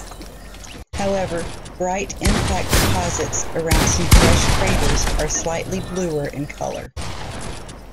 However, bright impact deposits around some fresh craters are slightly bluer in color.